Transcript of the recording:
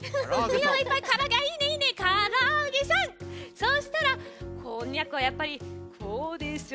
そしたらこんにゃくはやっぱりこうでしょう。